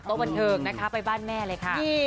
บันเทิงนะคะไปบ้านแม่เลยค่ะ